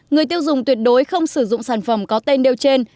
người tiêu dùng tuyệt đối không sử dụng sản phẩm có tên nêu trên